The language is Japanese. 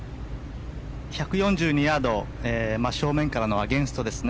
１４２ヤード真っ正面からのアゲンストですね。